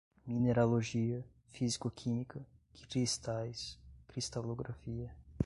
mineralogia, físico-química, cristais, cristalografia